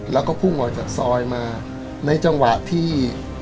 แล้วก็พุ่งออกจากซอยมาในจังหวะที่